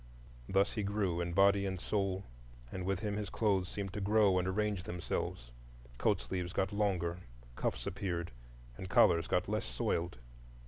Thus he grew in body and soul, and with him his clothes seemed to grow and arrange themselves; coat sleeves got longer, cuffs appeared, and collars got less soiled.